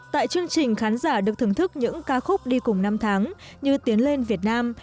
tại chương trình khán giả được thưởng thức những ca khúc đi cùng năm tháng như tiến lên việt nam